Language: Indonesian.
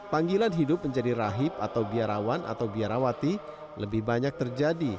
panggilan hidup menjadi rahib atau biarawan atau biarawati lebih banyak terjadi